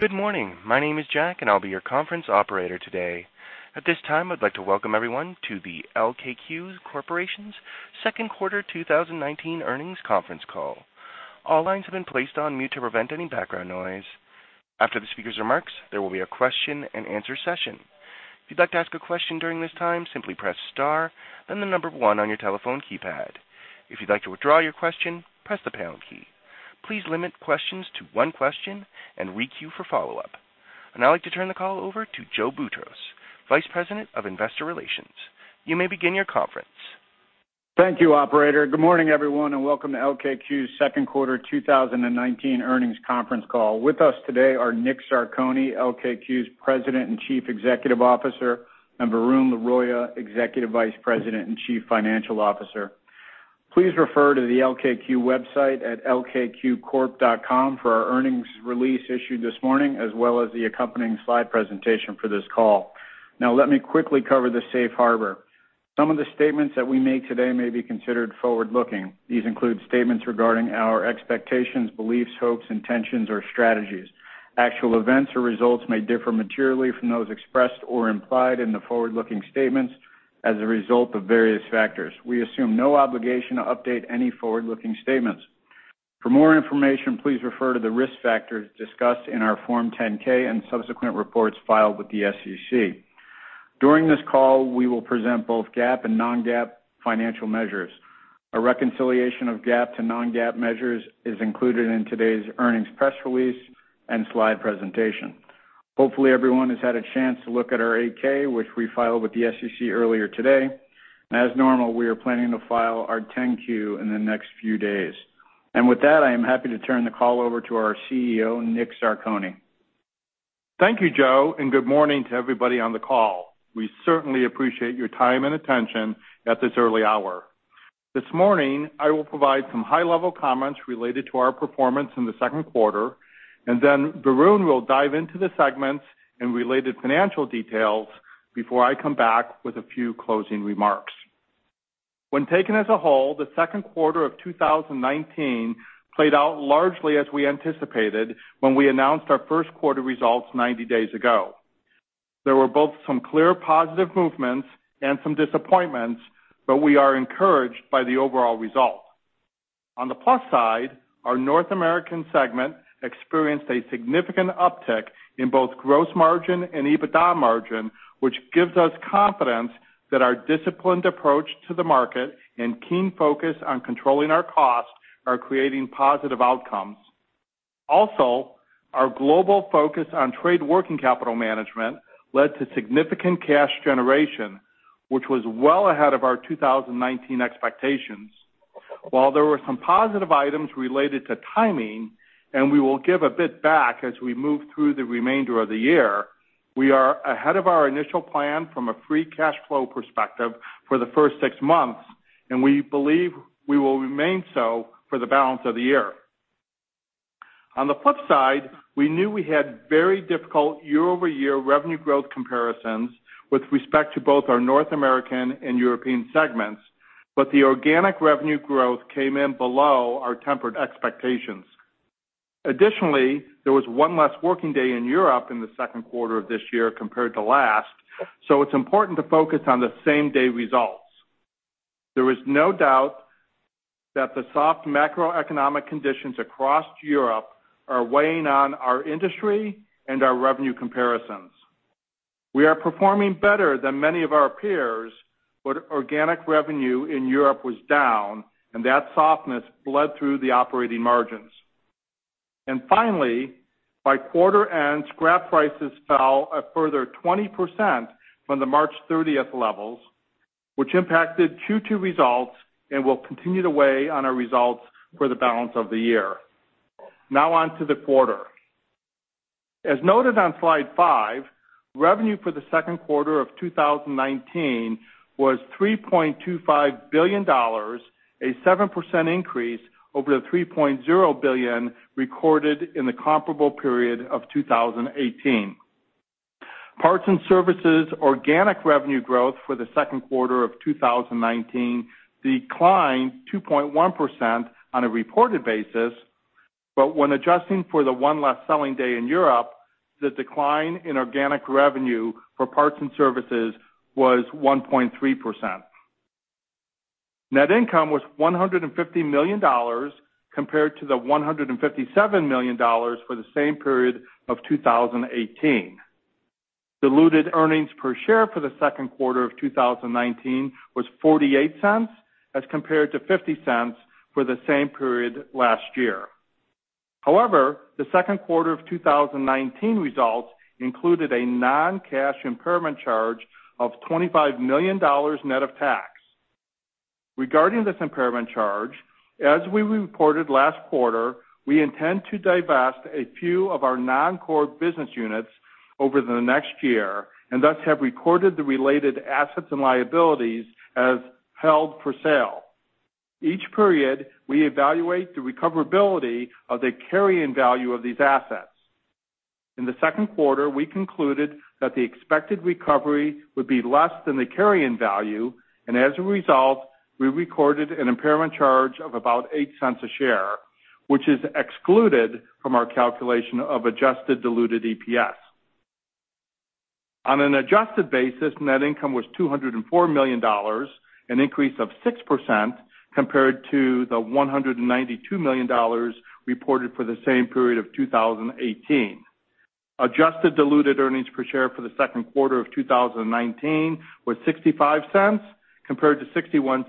Good morning. My name is Jack, and I'll be your conference operator today. At this time, I'd like to welcome everyone to the LKQ Corporation's second quarter 2019 earnings conference call. All lines have been placed on mute to prevent any background noise. After the speaker's remarks, there will be a question-and-answer session. If you'd like to ask a question during this time, simply press star, then the number 1 on your telephone keypad. If you'd like to withdraw your question, press the pound key. Please limit questions to one question and re-queue for follow-up. I'd now like to turn the call over to Joe Boutross, Vice President of Investor Relations. You may begin your conference. Thank you, operator. Good morning, everyone, welcome to LKQ's second quarter 2019 earnings conference call. With us today are Nick Zarcone, LKQ's President and Chief Executive Officer, and Varun Laroyia, Executive Vice President and Chief Financial Officer. Please refer to the LKQ website at lkqcorp.com for our earnings release issued this morning, as well as the accompanying slide presentation for this call. Let me quickly cover the safe harbor. Some of the statements that we make today may be considered forward-looking. These include statements regarding our expectations, beliefs, hopes, intentions, or strategies. Actual events or results may differ materially from those expressed or implied in the forward-looking statements as a result of various factors. We assume no obligation to update any forward-looking statements. For more information, please refer to the risk factors discussed in our Form 10-K and subsequent reports filed with the SEC. During this call, we will present both GAAP and non-GAAP financial measures. A reconciliation of GAAP to non-GAAP measures is included in today's earnings press release and slide presentation. Hopefully, everyone has had a chance to look at our 8-K, which we filed with the SEC earlier today. As normal, we are planning to file our 10-Q in the next few days. With that, I am happy to turn the call over to our CEO, Nick Zarcone. Thank you, Joe. Good morning to everybody on the call. We certainly appreciate your time and attention at this early hour. This morning, I will provide some high-level comments related to our performance in the second quarter. Then Varun will dive into the segments and related financial details before I come back with a few closing remarks. When taken as a whole, the second quarter of 2019 played out largely as we anticipated when we announced our first quarter results 90 days ago. There were both some clear positive movements and some disappointments. We are encouraged by the overall result. On the plus side, our North American segment experienced a significant uptick in both gross margin and EBITDA margin, which gives us confidence that our disciplined approach to the market and keen focus on controlling our costs are creating positive outcomes. Our global focus on trade working capital management led to significant cash generation, which was well ahead of our 2019 expectations. While there were some positive items related to timing, and we will give a bit back as we move through the remainder of the year, we are ahead of our initial plan from a free cash flow perspective for the first six months, and we believe we will remain so for the balance of the year. On the flip side, we knew we had very difficult year-over-year revenue growth comparisons with respect to both our North American and European segments, but the organic revenue growth came in below our tempered expectations. Additionally, there was one less working day in Europe in the second quarter of this year compared to last, so it is important to focus on the same-day results. There is no doubt that the soft macroeconomic conditions across Europe are weighing on our industry and our revenue comparisons. We are performing better than many of our peers, but organic revenue in Europe was down, and that softness bled through the operating margins. Finally, by quarter end, scrap prices fell a further 20% from the March 30th levels, which impacted Q2 results and will continue to weigh on our results for the balance of the year. Now on to the quarter. As noted on slide five, revenue for the second quarter of 2019 was $3.25 billion, a 7% increase over the $3.0 billion recorded in the comparable period of 2018. Parts and services organic revenue growth for the second quarter of 2019 declined 2.1% on a reported basis. When adjusting for the one less selling day in Europe, the decline in organic revenue for parts and services was 1.3%. Net income was $150 million compared to the $157 million for the same period of 2018. Diluted earnings per share for the second quarter of 2019 was $0.48 as compared to $0.50 for the same period last year. The second quarter of 2019 results included a non-cash impairment charge of $25 million net of tax. Regarding this impairment charge, as we reported last quarter, we intend to divest a few of our non-core business units over the next year. Thus have recorded the related assets and liabilities as held for sale. Each period, we evaluate the recoverability of the carrying value of these assets. In the second quarter, we concluded that the expected recovery would be less than the carrying value, and as a result, we recorded an impairment charge of about $0.08 a share, which is excluded from our calculation of adjusted diluted EPS. On an adjusted basis, net income was $204 million, an increase of 6% compared to the $192 million reported for the same period of 2018. Adjusted diluted earnings per share for the second quarter of 2019 were $0.65 compared to $0.61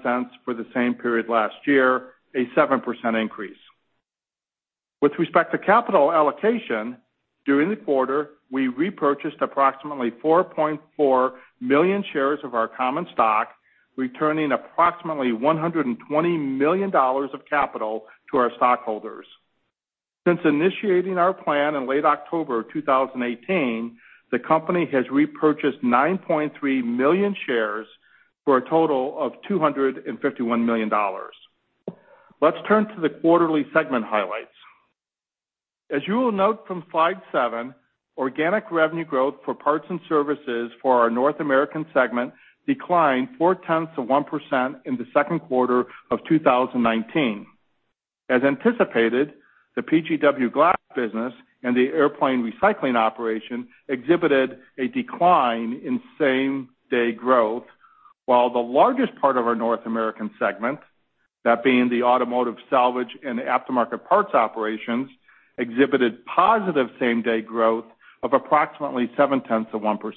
for the same period last year, a 7% increase. With respect to capital allocation, during the quarter, we repurchased approximately 4.4 million shares of our common stock, returning approximately $120 million of capital to our stockholders. Since initiating our plan in late October 2018, the company has repurchased 9.3 million shares for a total of $251 million. Let's turn to the quarterly segment highlights. As you will note from slide seven, organic revenue growth for parts and services for our North American segment declined 0.4% in the second quarter of 2019. As anticipated, the PGW Glass business and the airplane recycling operation exhibited a decline in same-day growth, while the largest part of our North American segment, that being the automotive salvage and aftermarket parts operations, exhibited positive same-day growth of approximately 0.7%.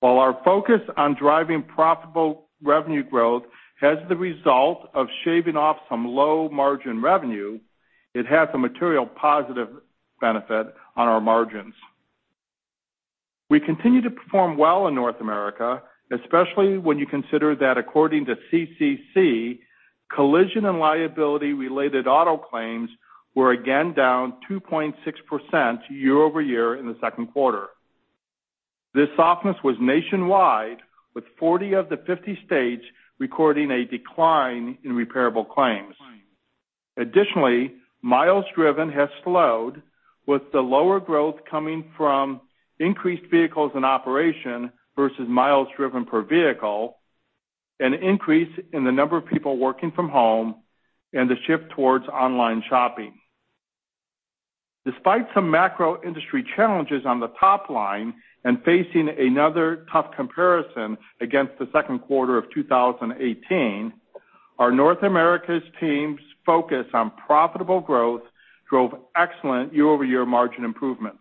While our focus on driving profitable revenue growth has the result of shaving off some low-margin revenue, it has a material positive benefit on our margins. We continue to perform well in North America, especially when you consider that according to CCC, collision and liability-related auto claims were again down 2.6% year-over-year in the second quarter. This softness was nationwide, with 40 of the 50 states recording a decline in repairable claims. Additionally, miles driven has slowed, with the lower growth coming from increased vehicles in operation versus miles driven per vehicle, an increase in the number of people working from home, and the shift towards online shopping. Despite some macro industry challenges on the top line and facing another tough comparison against the second quarter of 2018, our North America's team's focus on profitable growth drove excellent year-over-year margin improvements.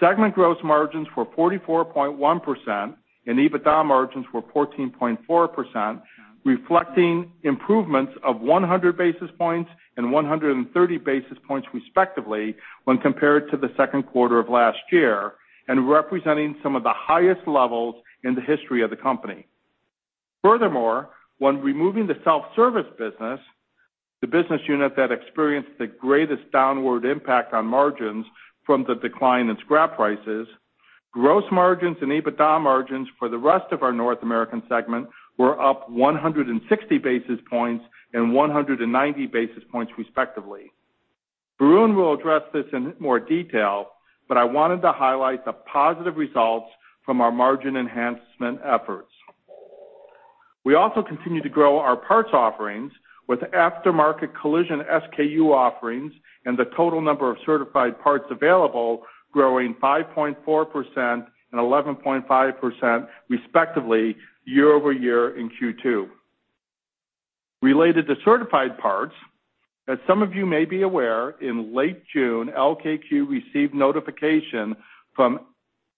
Segment gross margins were 44.1% and EBITDA margins were 14.4%, reflecting improvements of 100 basis points and 130 basis points respectively when compared to the second quarter of last year, and representing some of the highest levels in the history of the company. Furthermore, when removing the self-service business, the business unit that experienced the greatest downward impact on margins from the decline in scrap prices, gross margins and EBITDA margins for the rest of our North American segment were up 160 basis points and 190 basis points respectively. Varun will address this in more detail, but I wanted to highlight the positive results from our margin enhancement efforts. We also continue to grow our parts offerings with aftermarket collision SKU offerings and the total number of certified parts available growing 5.4% and 11.5% respectively year-over-year in Q2. Related to certified parts, as some of you may be aware, in late June, LKQ received notification from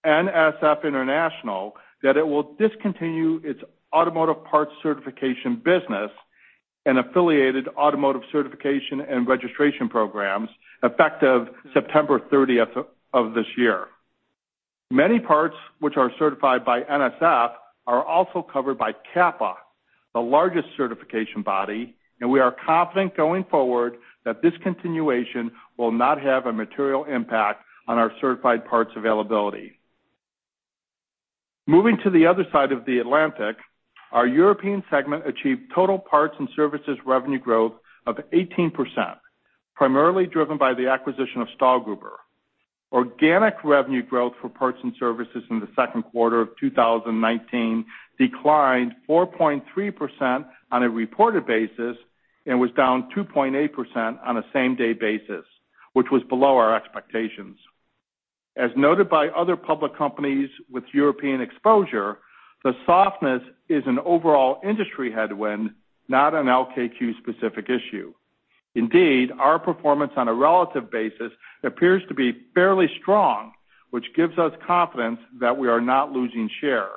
NSF International that it will discontinue its automotive parts certification business and affiliated automotive certification and registration programs effective September 30th of this year. Many parts which are certified by NSF are also covered by CAPA, the largest certification body, and we are confident going forward that discontinuation will not have a material impact on our certified parts availability. Moving to the other side of the Atlantic, our European segment achieved total parts and services revenue growth of 18%, primarily driven by the acquisition of Stahlgruber. Organic revenue growth for parts and services in the second quarter of 2019 declined 4.3% on a reported basis and was down 2.8% on a same-day basis, which was below our expectations. As noted by other public companies with European exposure, the softness is an overall industry headwind, not an LKQ-specific issue. Indeed, our performance on a relative basis appears to be fairly strong, which gives us confidence that we are not losing share.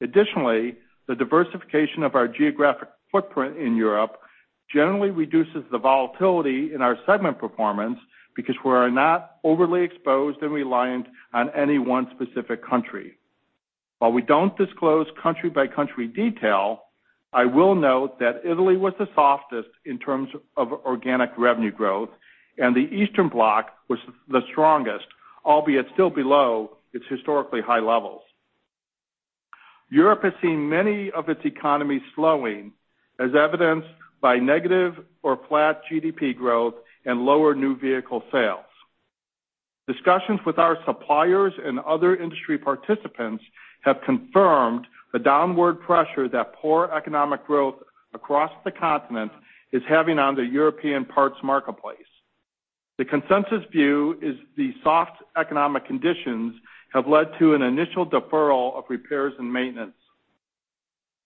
Additionally, the diversification of our geographic footprint in Europe generally reduces the volatility in our segment performance because we are not overly exposed and reliant on any one specific country. While we don't disclose country-by-country detail, I will note that Italy was the softest in terms of organic revenue growth, and the Eastern Bloc was the strongest, albeit still below its historically high levels. Europe has seen many of its economies slowing, as evidenced by negative or flat GDP growth and lower new vehicle sales. Discussions with our suppliers and other industry participants have confirmed the downward pressure that poor economic growth across the continent is having on the European parts marketplace. The consensus view is the soft economic conditions have led to an initial deferral of repairs and maintenance.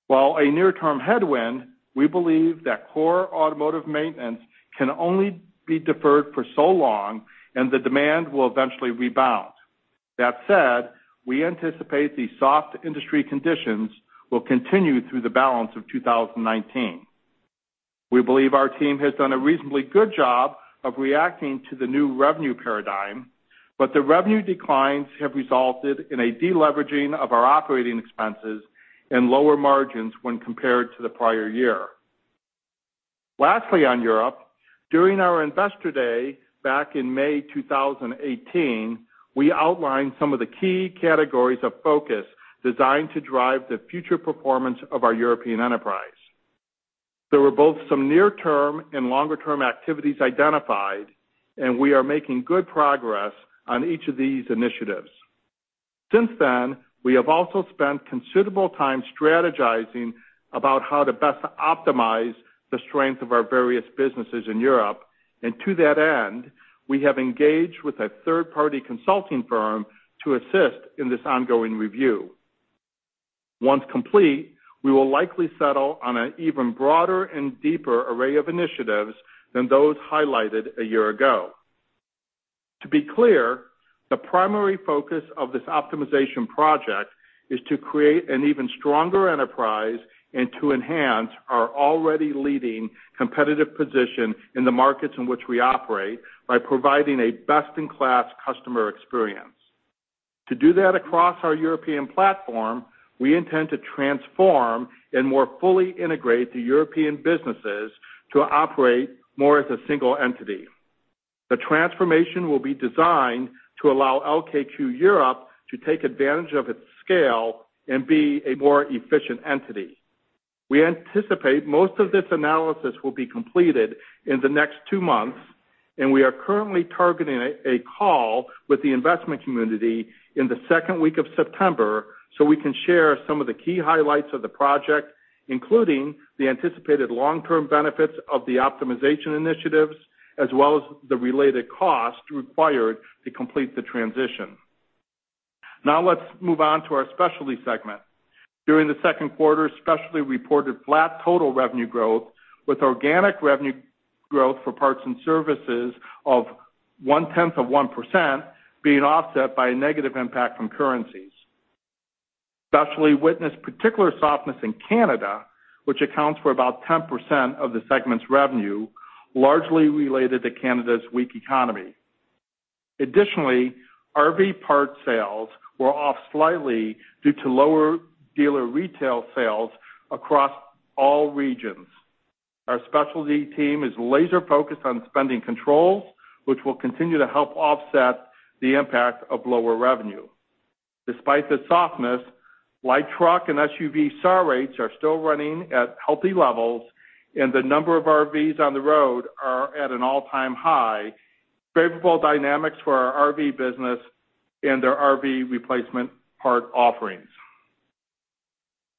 While a near-term headwind, we believe that core automotive maintenance can only be deferred for so long, and the demand will eventually rebound. That said, we anticipate the soft industry conditions will continue through the balance of 2019. We believe our team has done a reasonably good job of reacting to the new revenue paradigm, but the revenue declines have resulted in a deleveraging of our operating expenses and lower margins when compared to the prior year. Lastly, on Europe, during our investor day back in May 2018, we outlined some of the key categories of focus designed to drive the future performance of our European enterprise. There were both some near-term and longer-term activities identified, and we are making good progress on each of these initiatives. Since then, we have also spent considerable time strategizing about how to best optimize the strength of our various businesses in Europe. To that end, we have engaged with a third-party consulting firm to assist in this ongoing review. Once complete, we will likely settle on an even broader and deeper array of initiatives than those highlighted a year ago. To be clear, the primary focus of this optimization project is to create an even stronger enterprise and to enhance our already leading competitive position in the markets in which we operate by providing a best-in-class customer experience. To do that across our European platform, we intend to transform and more fully integrate the European businesses to operate more as a single entity. The transformation will be designed to allow LKQ Europe to take advantage of its scale and be a more efficient entity. We anticipate most of this analysis will be completed in the next two months, and we are currently targeting a call with the investment community in the second week of September so we can share some of the key highlights of the project, including the anticipated long-term benefits of the optimization initiatives, as well as the related cost required to complete the transition. Let's move on to our Specialty segment. During the second quarter, Specialty reported flat total revenue growth, with organic revenue growth for parts and services of one-tenth of 1% being offset by a negative impact from currencies. Specialty witnessed particular softness in Canada, which accounts for about 10% of the segment's revenue, largely related to Canada's weak economy. RV parts sales were off slightly due to lower dealer retail sales across all regions. Our specialty team is laser-focused on spending controls, which will continue to help offset the impact of lower revenue. Despite the softness, light truck and SUV start rates are still running at healthy levels, and the number of RVs on the road are at an all-time high. Favorable dynamics for our RV business and our RV replacement part offerings.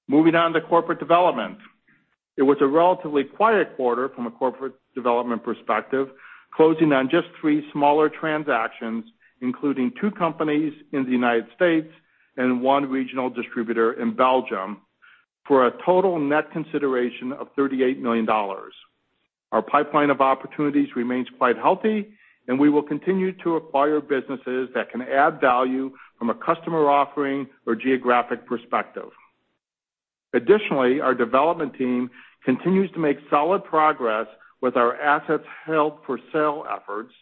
Moving on to corporate development. It was a relatively quiet quarter from a corporate development perspective, closing on just three smaller transactions, including two companies in the U.S. and one regional distributor in Belgium, for a total net consideration of $38 million. Our pipeline of opportunities remains quite healthy, and we will continue to acquire businesses that can add value from a customer offering or geographic perspective. Additionally, our development team continues to make solid progress with our assets held for sale efforts.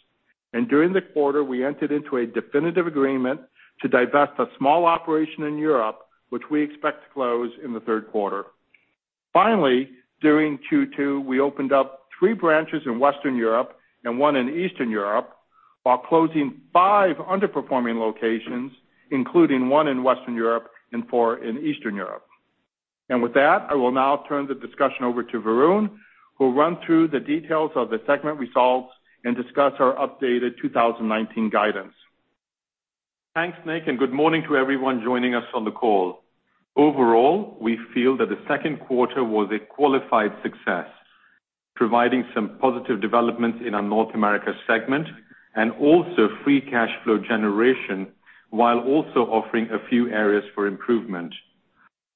During the quarter, we entered into a definitive agreement to divest a small operation in Europe, which we expect to close in the third quarter. Finally, during Q2, we opened up three branches in Western Europe and one in Eastern Europe, while closing five underperforming locations, including one in Western Europe and four in Eastern Europe. With that, I will now turn the discussion over to Varun, who will run through the details of the segment results and discuss our updated 2019 guidance. Thanks, Nick, and good morning to everyone joining us on the call. Overall, we feel that the second quarter was a qualified success, providing some positive developments in our North America segment and also free cash flow generation, while also offering a few areas for improvement.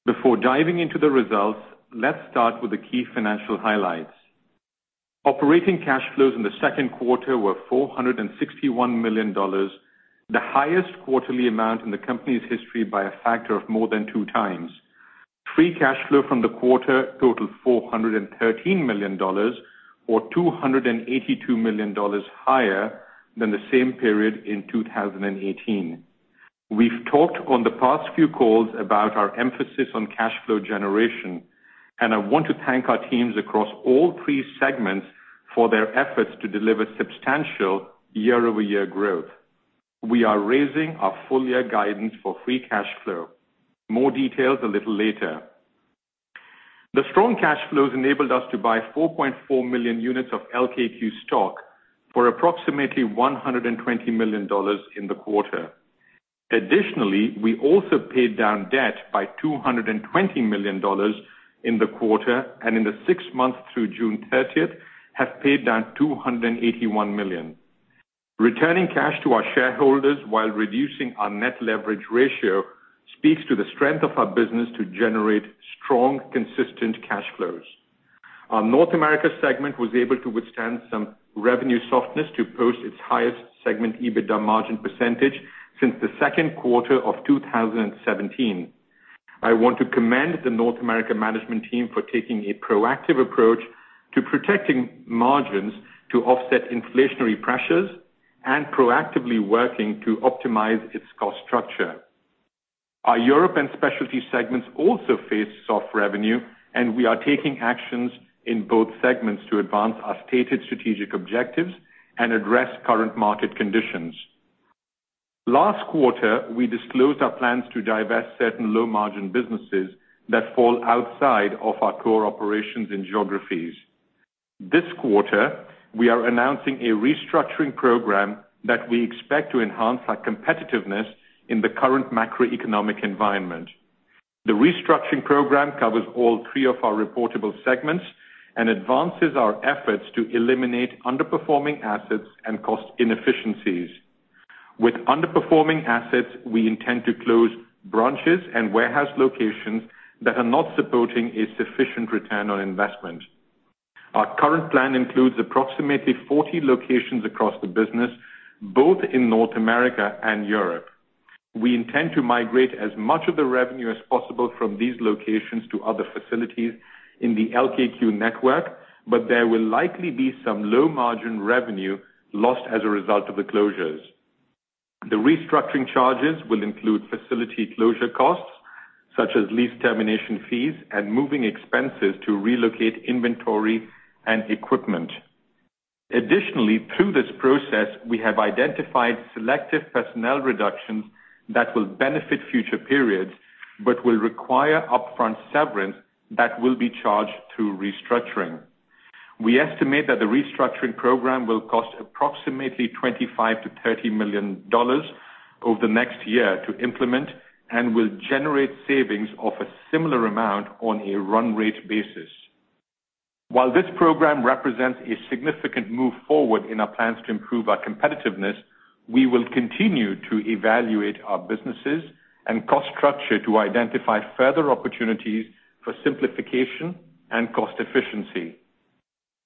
Before diving into the results, let's start with the key financial highlights. Operating cash flows in the second quarter were $461 million, the highest quarterly amount in the company's history by a factor of more than two times. Free cash flow from the quarter totaled $413 million or $282 million higher than the same period in 2018. We've talked on the past few calls about our emphasis on cash flow generation, and I want to thank our teams across all three segments for their efforts to deliver substantial year-over-year growth. We are raising our full-year guidance for free cash flow. More details a little later. The strong cash flows enabled us to buy 4.4 million units of LKQ stock for approximately $120 million in the quarter. Additionally, we also paid down debt by $220 million in the quarter, and in the six months through June 30th, have paid down $281 million. Returning cash to our shareholders while reducing our net leverage ratio speaks to the strength of our business to generate strong, consistent cash flows. Our North America segment was able to withstand some revenue softness to post its highest segment EBITDA margin percentage since the second quarter of 2017. I want to commend the North America management team for taking a proactive approach to protecting margins to offset inflationary pressures and proactively working to optimize its cost structure. Our Europe and Specialty segments also face soft revenue, and we are taking actions in both segments to advance our stated strategic objectives and address current market conditions. Last quarter, we disclosed our plans to divest certain low-margin businesses that fall outside of our core operations and geographies. This quarter, we are announcing a Restructuring Program that we expect to enhance our competitiveness in the current macroeconomic environment. The Restructuring Program covers all three of our reportable segments and advances our efforts to eliminate underperforming assets and cost inefficiencies. With underperforming assets, we intend to close branches and warehouse locations that are not supporting a sufficient return on investment. Our current plan includes approximately 40 locations across the business, both in North America and Europe. We intend to migrate as much of the revenue as possible from these locations to other facilities in the LKQ network, but there will likely be some low-margin revenue lost as a result of the closures. The restructuring charges will include facility closure costs, such as lease termination fees and moving expenses to relocate inventory and equipment. Additionally, through this process, we have identified selective personnel reductions that will benefit future periods but will require upfront severance that will be charged to restructuring. We estimate that the restructuring program will cost approximately $25 million-$30 million over the next year to implement and will generate savings of a similar amount on a run rate basis. While this program represents a significant move forward in our plans to improve our competitiveness, we will continue to evaluate our businesses and cost structure to identify further opportunities for simplification and cost efficiency.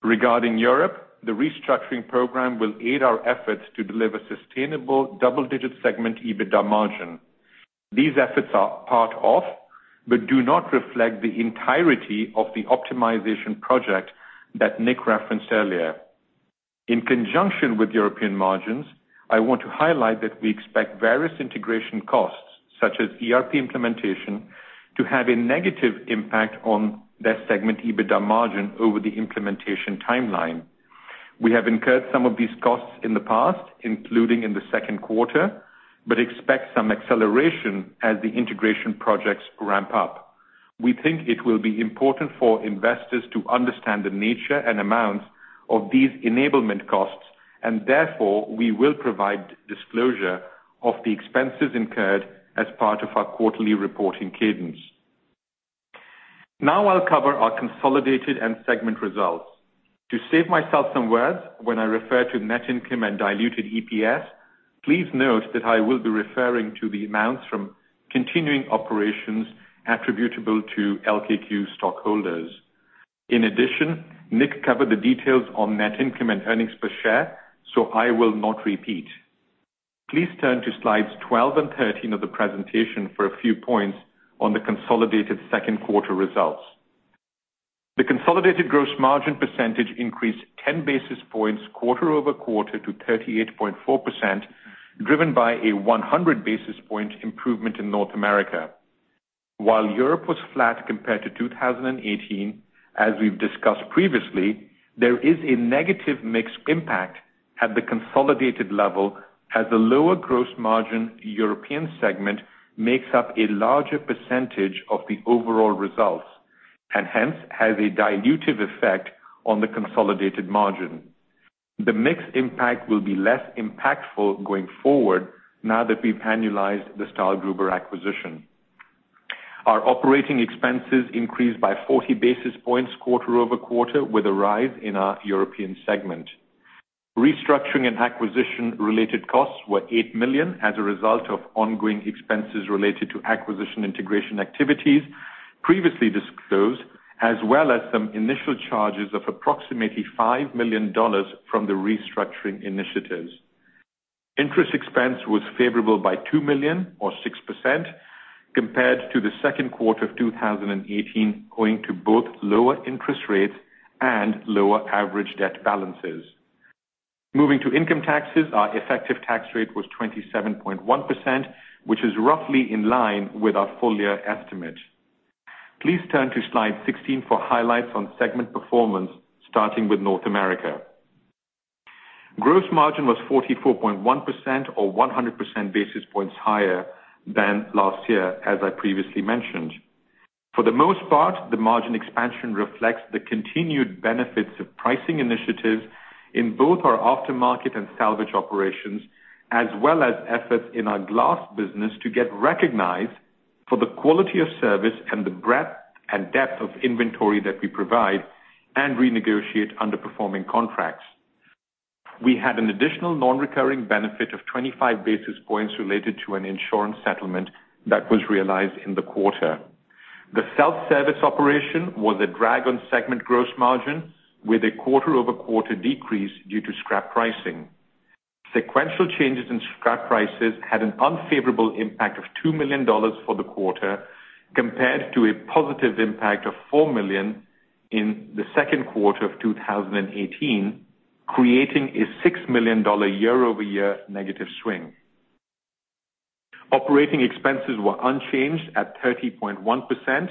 Regarding Europe, the restructuring program will aid our efforts to deliver sustainable double-digit segment EBITDA margin. These efforts are part of, but do not reflect the entirety of the optimization project that Nick referenced earlier. In conjunction with European margins, I want to highlight that we expect various integration costs, such as ERP implementation, to have a negative impact on that segment EBITDA margin over the implementation timeline. We have incurred some of these costs in the past, including in the second quarter, but expect some acceleration as the integration projects ramp up. We think it will be important for investors to understand the nature and amounts of these enablement costs, and therefore, we will provide disclosure of the expenses incurred as part of our quarterly reporting cadence. Now I'll cover our consolidated and segment results. To save myself some words when I refer to net income and diluted EPS, please note that I will be referring to the amounts from continuing operations attributable to LKQ stockholders. In addition, Nick covered the details on net income and earnings per share, so I will not repeat. Please turn to slides 12 and 13 of the presentation for a few points on the consolidated second quarter results. The consolidated gross margin percentage increased 10 basis points quarter-over-quarter to 38.4%, driven by a 100 basis point improvement in North America. While Europe was flat compared to 2018, as we've discussed previously, there is a negative mix impact at the consolidated level as the lower gross margin European segment makes up a larger percentage of the overall results, and hence, has a dilutive effect on the consolidated margin. The mix impact will be less impactful going forward now that we've annualized the STAHLGRUBER acquisition. Our operating expenses increased by 40 basis points quarter-over-quarter with a rise in our European segment. Restructuring and acquisition-related costs were $8 million as a result of ongoing expenses related to acquisition integration activities previously disclosed as well as some initial charges of approximately $5 million from the restructuring initiatives. Interest expense was favorable by $2 million, or 6%, compared to the second quarter of 2018, owing to both lower interest rates and lower average debt balances. Moving to income taxes, our effective tax rate was 27.1%, which is roughly in line with our full-year estimate. Please turn to slide 16 for highlights on segment performance, starting with North America. Gross margin was 44.1% or 100 basis points higher than last year, as I previously mentioned. For the most part, the margin expansion reflects the continued benefits of pricing initiatives in both our aftermarket and salvage operations, as well as efforts in our glass business to get recognized for the quality of service and the breadth and depth of inventory that we provide and renegotiate underperforming contracts. We had an additional non-recurring benefit of 25 basis points related to an insurance settlement that was realized in the quarter. The self-service operation was a drag on segment gross margin with a quarter-over-quarter decrease due to scrap pricing. Sequential changes in scrap prices had an unfavorable impact of $2 million for the quarter compared to a positive impact of $4 million in the second quarter of 2018, creating a $6 million year-over-year negative swing. Operating expenses were unchanged at 30.1%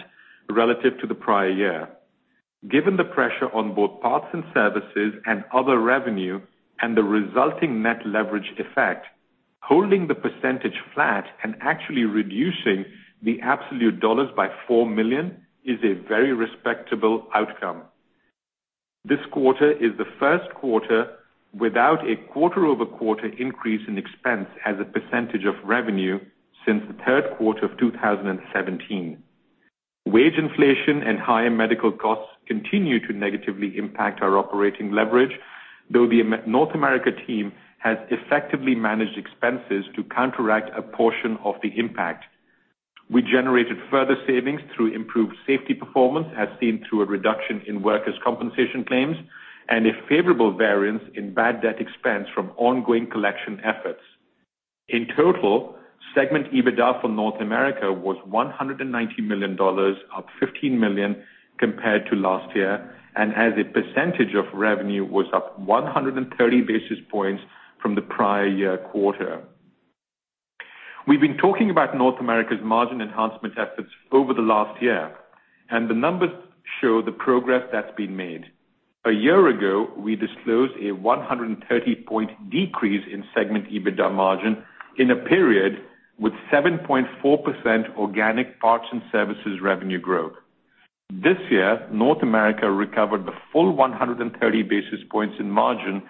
relative to the prior year. Given the pressure on both parts and services and other revenue and the resulting net leverage effect, holding the percentage flat and actually reducing the absolute dollars by $4 million is a very respectable outcome. This quarter is the first quarter without a quarter-over-quarter increase in expense as a percentage of revenue since the third quarter of 2017. Wage inflation and higher medical costs continue to negatively impact our operating leverage, though the North America team has effectively managed expenses to counteract a portion of the impact. We generated further savings through improved safety performance as seen through a reduction in workers' compensation claims and a favorable variance in bad debt expense from ongoing collection efforts. In total, segment EBITDA for North America was $190 million, up $15 million compared to last year, and as a percentage of revenue was up 130 basis points from the prior year quarter. We've been talking about North America's margin enhancement efforts over the last year, and the numbers show the progress that's been made. A year ago, we disclosed a 130-point decrease in segment EBITDA margin in a period with 7.4% organic parts and services revenue growth. This year, North America recovered the full 130 basis points in margin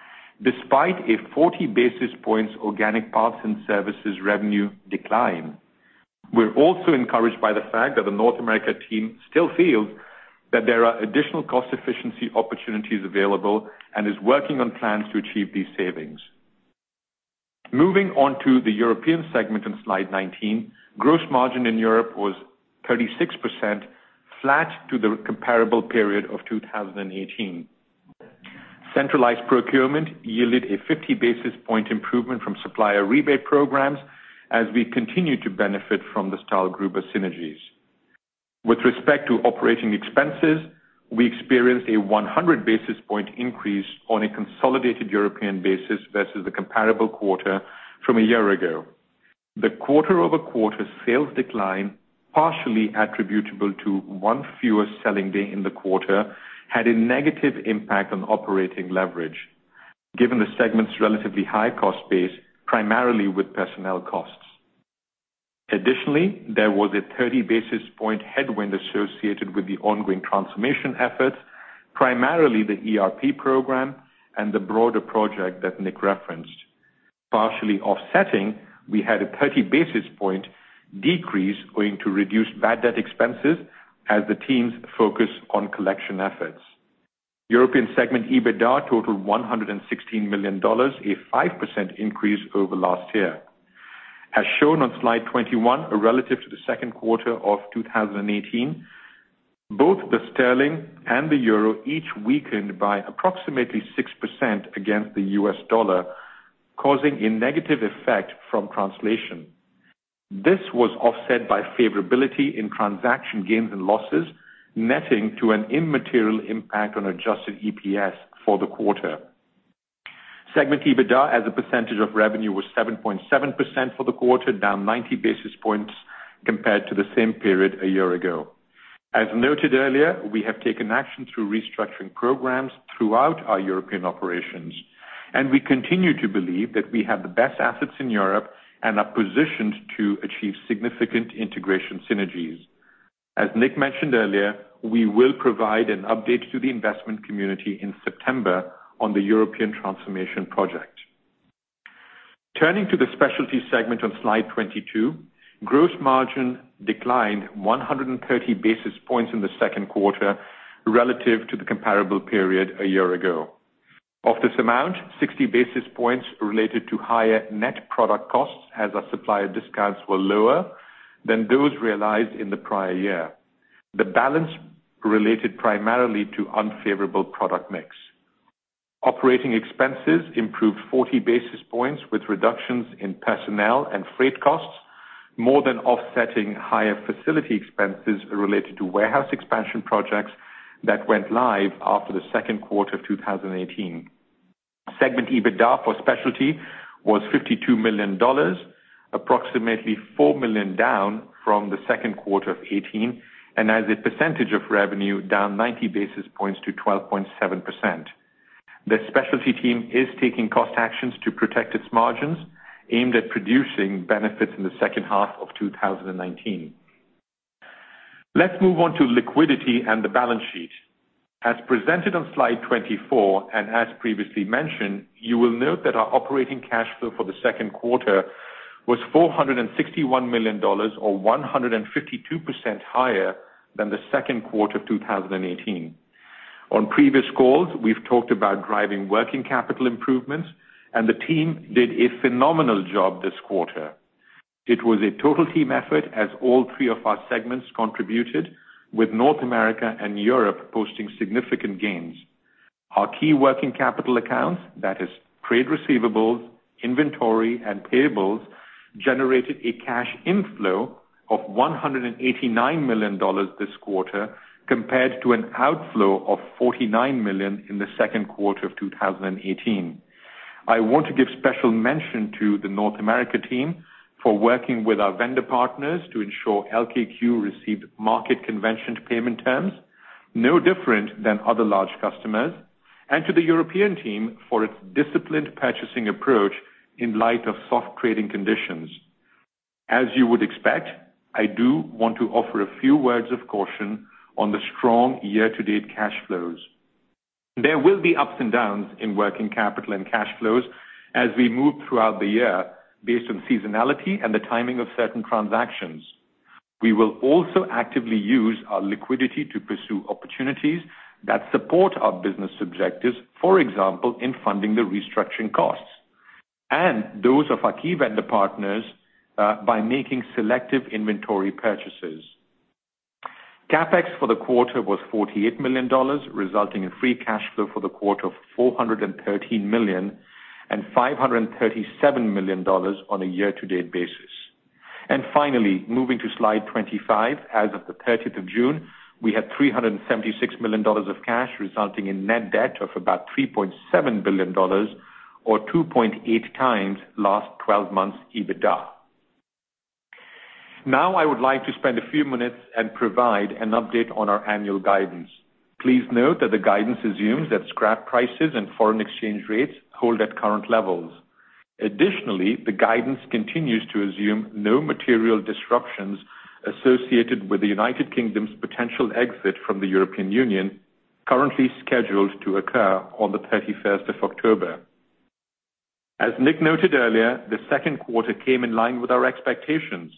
despite a 40 basis points organic parts and services revenue decline. We're also encouraged by the fact that the North America team still feels that there are additional cost efficiency opportunities available and is working on plans to achieve these savings. Moving on to the European segment on slide 19. Gross margin in Europe was 36% flat to the comparable period of 2018. Centralized procurement yielded a 50 basis point improvement from supplier rebate programs as we continue to benefit from the STAHLGRUBER synergies. With respect to operating expenses, we experienced a 100 basis point increase on a consolidated European basis versus the comparable quarter from a year ago. The quarter-over-quarter sales decline, partially attributable to one fewer selling day in the quarter, had a negative impact on operating leverage given the segment's relatively high cost base, primarily with personnel costs. Additionally, there was a 30 basis point headwind associated with the ongoing transformation efforts, primarily the ERP program and the broader project that Nick referenced. Partially offsetting, we had a 30 basis point decrease going to reduce bad debt expenses as the teams focus on collection efforts. European segment EBITDA totaled $116 million, a 5% increase over last year. As shown on slide 21, relative to the second quarter of 2018, both the sterling and the euro each weakened by approximately 6% against the US dollar, causing a negative effect from translation. This was offset by favorability in transaction gains and losses, netting to an immaterial impact on adjusted EPS for the quarter. Segment EBITDA as a percentage of revenue was 7.7% for the quarter, down 90 basis points compared to the same period a year ago. As noted earlier, we have taken action through restructuring programs throughout our European operations, and we continue to believe that we have the best assets in Europe and are positioned to achieve significant integration synergies. As Nick mentioned earlier, we will provide an update to the investment community in September on the European transformation project. Turning to the specialty segment on slide 22, gross margin declined 130 basis points in the second quarter relative to the comparable period a year ago. Of this amount, 60 basis points related to higher net product costs as our supplier discounts were lower than those realized in the prior year. The balance related primarily to unfavorable product mix. Operating expenses improved 40 basis points with reductions in personnel and freight costs, more than offsetting higher facility expenses related to warehouse expansion projects that went live after the second quarter of 2018. Segment EBITDA for specialty was $52 million, approximately $4 million down from the second quarter of 2018, and as a percentage of revenue, down 90 basis points to 12.7%. The specialty team is taking cost actions to protect its margins, aimed at producing benefits in the second half of 2019. Let's move on to liquidity and the balance sheet. As presented on slide 24, as previously mentioned, you will note that our operating cash flow for the second quarter was $461 million, or 152% higher than the second quarter of 2018. On previous calls, we've talked about driving working capital improvements, the team did a phenomenal job this quarter. It was a total team effort as all three of our segments contributed, with North America and Europe posting significant gains. Our key working capital accounts, that is trade receivables, inventory, and payables, generated a cash inflow of $189 million this quarter, compared to an outflow of $49 million in the second quarter of 2018. I want to give special mention to the North America team for working with our vendor partners to ensure LKQ received market conventioned payment terms, no different than other large customers, and to the European team for its disciplined purchasing approach in light of soft trading conditions. As you would expect, I do want to offer a few words of caution on the strong year-to-date cash flows. There will be ups and downs in working capital and cash flows as we move throughout the year based on seasonality and the timing of certain transactions. We will also actively use our liquidity to pursue opportunities that support our business objectives, for example, in funding the restructuring costs. Those of our key vendor partners, by making selective inventory purchases. CapEx for the quarter was $48 million, resulting in free cash flow for the quarter of $413 million and $537 million on a year-to-date basis. Finally, moving to slide 25, as of the 30th of June, we had $376 million of cash, resulting in net debt of about $3.7 billion, or 2.8 times last 12 months EBITDA. Now, I would like to spend a few minutes and provide an update on our annual guidance. Please note that the guidance assumes that scrap prices and foreign exchange rates hold at current levels. Additionally, the guidance continues to assume no material disruptions associated with the United Kingdom's potential exit from the European Union, currently scheduled to occur on the 31st of October. As Nick noted earlier, the second quarter came in line with our expectations.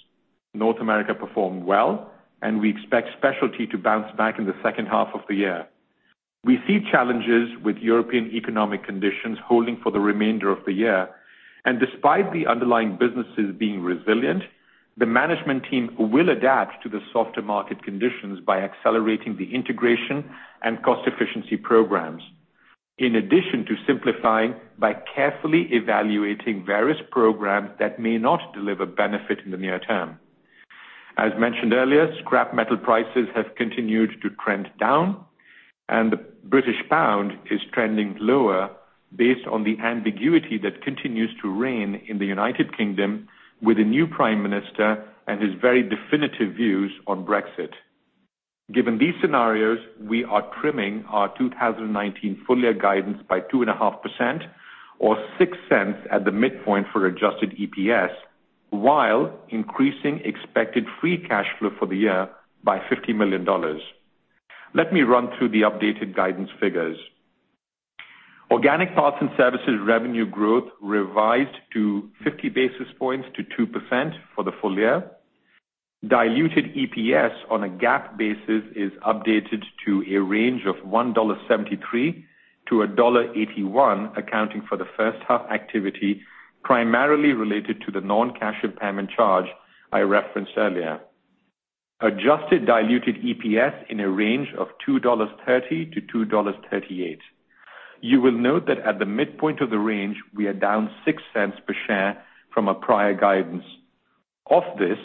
North America performed well, and we expect specialty to bounce back in the second half of the year. We see challenges with European economic conditions holding for the remainder of the year. Despite the underlying businesses being resilient, the management team will adapt to the softer market conditions by accelerating the integration and cost efficiency programs. In addition to simplifying by carefully evaluating various programs that may not deliver benefit in the near term. As mentioned earlier, scrap metal prices have continued to trend down, and the British pound is trending lower based on the ambiguity that continues to reign in the U.K. with a new prime minister and his very definitive views on Brexit. Given these scenarios, we are trimming our 2019 full-year guidance by 2.5%, or $0.06 at the midpoint for adjusted EPS, while increasing expected free cash flow for the year by $50 million. Let me run through the updated guidance figures. Organic parts and services revenue growth revised to 50 basis points to 2% for the full year. Diluted EPS on a GAAP basis is updated to a range of $1.73 to $1.81, accounting for the first half activity, primarily related to the non-cash impairment charge I referenced earlier. Adjusted diluted EPS in a range of $2.30 to $2.38. You will note that at the midpoint of the range, we are down $0.06 per share from our prior guidance. Of this,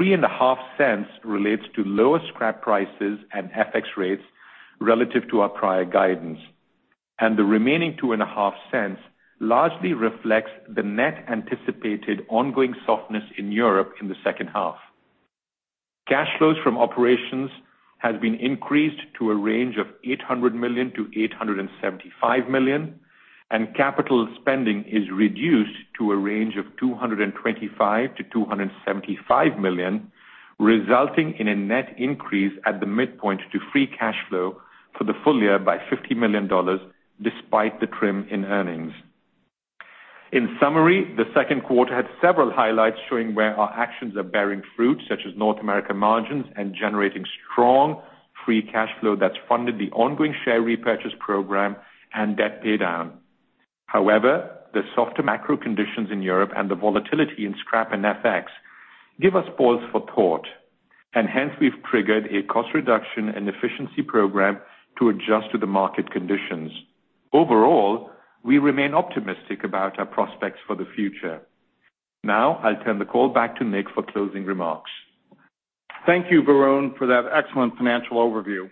$0.035 relates to lower scrap prices and FX rates relative to our prior guidance. The remaining $0.025 largely reflects the net anticipated ongoing softness in Europe in the second half. Cash flows from operations has been increased to a range of $800 million-$875 million, and capital spending is reduced to a range of $225 million-$275 million, resulting in a net increase at the midpoint to free cash flow for the full year by $50 million, despite the trim in earnings. In summary, the second quarter had several highlights showing where our actions are bearing fruit, such as North America margins and generating strong free cash flow that's funded the ongoing share repurchase program and debt paydown. The softer macro conditions in Europe and the volatility in scrap and FX give us pause for thought, and hence we've triggered a cost reduction and efficiency program to adjust to the market conditions. Overall, we remain optimistic about our prospects for the future. Now, I'll turn the call back to Nick for closing remarks. Thank you, Varun, for that excellent financial overview.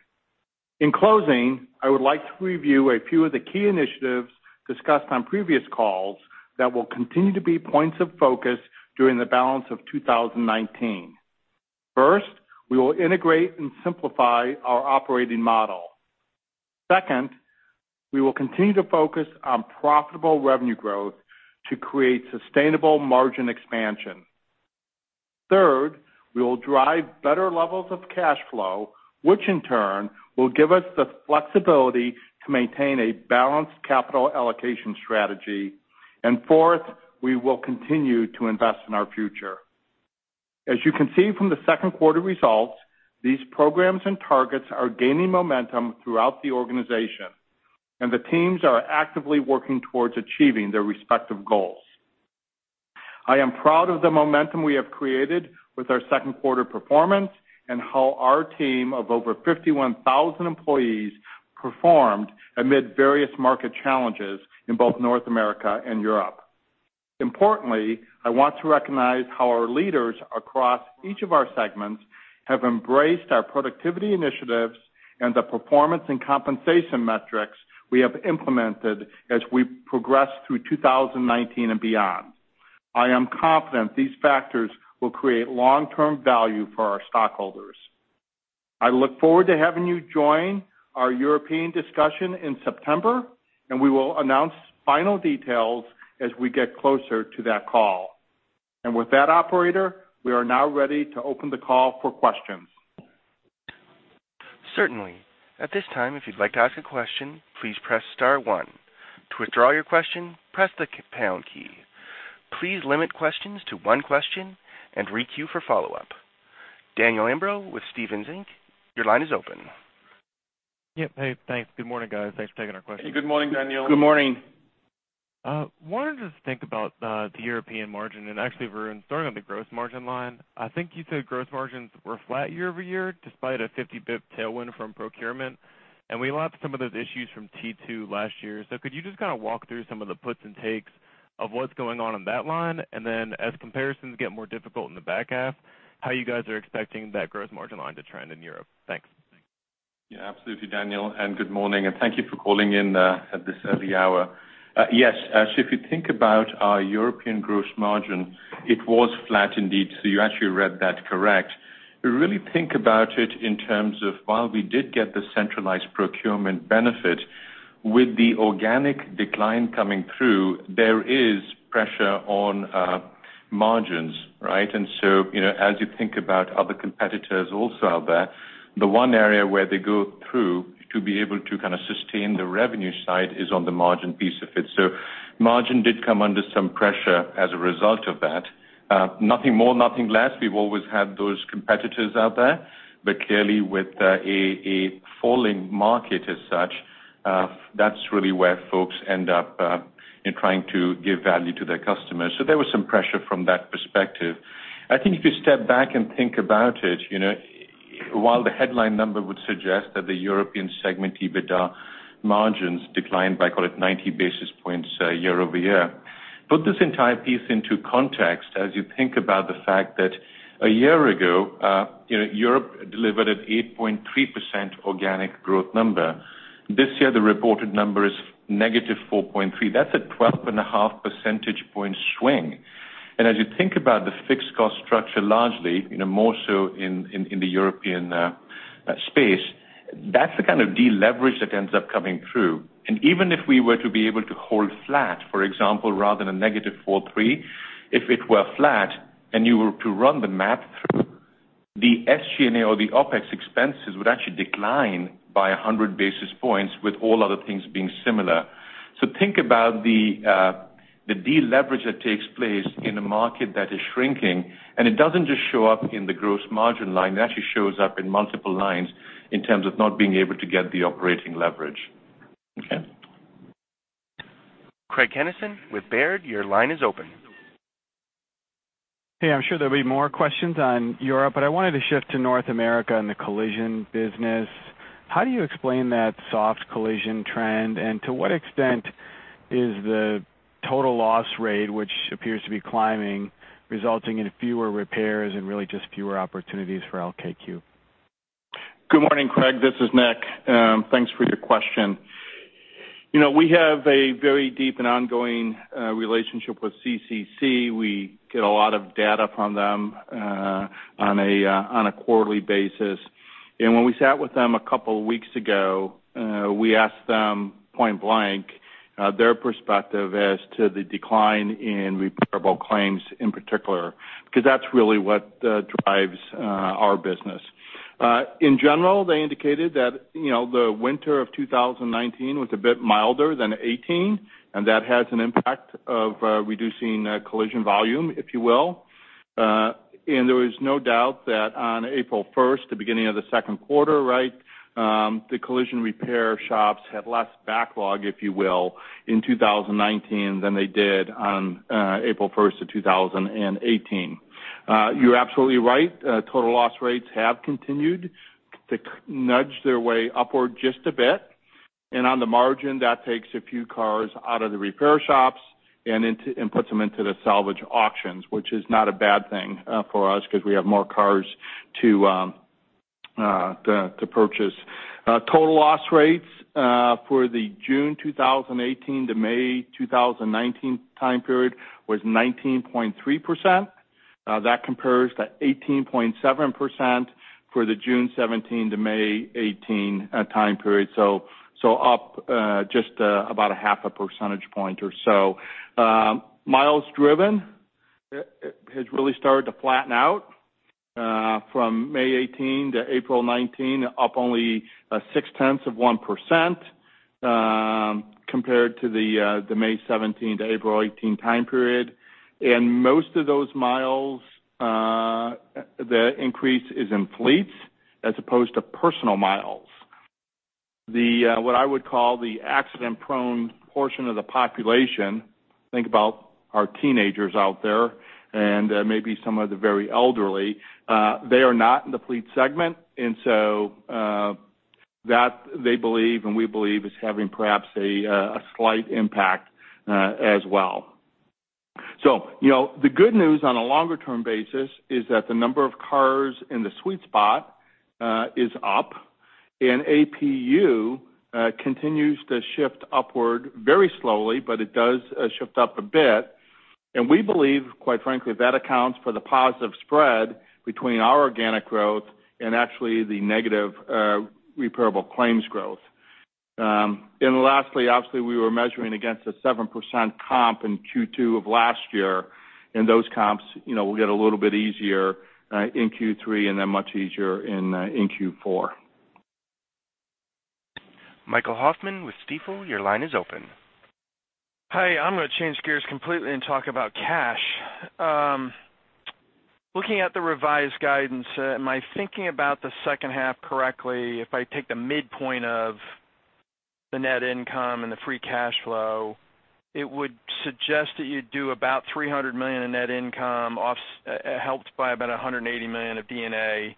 In closing, I would like to review a few of the key initiatives discussed on previous calls that will continue to be points of focus during the balance of 2019. First, we will integrate and simplify our operating model. Second, we will continue to focus on profitable revenue growth to create sustainable margin expansion. Third, we will drive better levels of cash flow, which in turn will give us the flexibility to maintain a balanced capital allocation strategy. Fourth, we will continue to invest in our future. As you can see from the second quarter results, these programs and targets are gaining momentum throughout the organization, and the teams are actively working towards achieving their respective goals. I am proud of the momentum we have created with our second quarter performance and how our team of over 51,000 employees performed amid various market challenges in both North America and Europe. Importantly, I want to recognize how our leaders across each of our segments have embraced our productivity initiatives and the performance and compensation metrics we have implemented as we progress through 2019 and beyond. I am confident these factors will create long-term value for our stockholders. I look forward to having you join our European discussion in September, and we will announce final details as we get closer to that call. With that, operator, we are now ready to open the call for questions. Certainly. At this time, if you'd like to ask a question, please press star one. To withdraw your question, press the pound key. Please limit questions to one question and re-queue for follow-up. Daniel Imbro with Stephens Inc., your line is open. Yep. Hey, thanks. Good morning, guys. Thanks for taking our question. Hey, good morning, Daniel. Good morning. Wanted to think about the European margin and actually, Varun, starting on the gross margin line. I think you said gross margins were flat year-over-year despite a 50 bip tailwind from procurement. We lapped some of those issues from Q2 last year. Could you just kind of walk through some of the puts and takes of what's going on on that line? As comparisons get more difficult in the back half, how you guys are expecting that gross margin line to trend in Europe? Thanks. Yeah, absolutely, Daniel, good morning, and thank you for calling in at this early hour. Yes. If you think about our European gross margin, it was flat indeed. You actually read that correct. We really think about it in terms of while we did get the centralized procurement benefit, with the organic decline coming through, there is pressure on margins, right? As you think about other competitors also out there, the one area where they go through to be able to kind of sustain the revenue side is on the margin piece of it. Margin did come under some pressure as a result of that. Nothing more, nothing less. We've always had those competitors out there. Clearly with a falling market as such, that's really where folks end up in trying to give value to their customers. There was some pressure from that perspective. I think if you step back and think about it, while the headline number would suggest that the European segment EBITDA margins declined by, call it, 90 basis points year-over-year. Put this entire piece into context as you think about the fact that a year ago, Europe delivered an 8.3% organic growth number. This year, the reported number is negative 4.3%. That's a 12.5 percentage point swing. As you think about the fixed cost structure largely, more so in the European space, that's the kind of deleverage that ends up coming through. Even if we were to be able to hold flat, for example, rather than a negative 4.3%, if it were flat and you were to run the math through, the SG&A or the OPEX expenses would actually decline by 100 basis points with all other things being similar. Think about the deleverage that takes place in a market that is shrinking, and it doesn't just show up in the gross margin line. It actually shows up in multiple lines in terms of not being able to get the operating leverage. Okay. Craig Kennison with Baird, your line is open. Hey, I'm sure there'll be more questions on Europe, but I wanted to shift to North America and the collision business. How do you explain that soft collision trend? To what extent is the total loss rate, which appears to be climbing, resulting in fewer repairs and really just fewer opportunities for LKQ? Good morning, Craig. This is Nick. Thanks for your question. We have a very deep and ongoing relationship with CCC. We get a lot of data from them on a quarterly basis. When we sat with them a couple weeks ago, we asked them point blank, their perspective as to the decline in repairable claims in particular, because that's really what drives our business. In general, they indicated that the winter of 2019 was a bit milder than 2018, and that has an impact of reducing collision volume, if you will. There was no doubt that on April first, the beginning of the second quarter, the collision repair shops had less backlog, if you will, in 2019 than they did on April first of 2018. You're absolutely right. Total loss rates have continued to nudge their way upward just a bit. On the margin, that takes a few cars out of the repair shops and puts them into the salvage auctions, which is not a bad thing for us because we have more cars to purchase. Total loss rates for the June 2018 to May 2019 time period was 19.3%. That compares to 18.7% for the June 2017 to May 2018 time period. Up just about a half a percentage point or so. Miles driven has really started to flatten out from May 2018 to April 2019, up only six tenths of 1%, compared to the May 2017 to April 2018 time period. In most of those miles, the increase is in fleets as opposed to personal miles. What I would call the accident-prone portion of the population, think about our teenagers out there and maybe some of the very elderly, they are not in the fleet segment. That, they believe, and we believe, is having perhaps a slight impact as well. The good news on a longer-term basis is that the number of cars in the sweet spot is up, and APU continues to shift upward very slowly, but it does shift up a bit. We believe, quite frankly, that accounts for the positive spread between our organic growth and actually the negative repairable claims growth. Lastly, obviously, we were measuring against a 7% comp in Q2 of last year, and those comps will get a little bit easier in Q3 and then much easier in Q4. Michael Hoffman with Stifel, your line is open. Hi, I'm going to change gears completely and talk about cash. Looking at the revised guidance, am I thinking about the second half correctly if I take the midpoint of the net income and the free cash flow? It would suggest that you do about $300 million in net income, helped by about $180 million of D&A.